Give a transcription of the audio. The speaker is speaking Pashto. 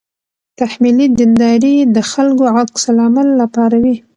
تحمیلي دینداري د خلکو عکس العمل راپاروي.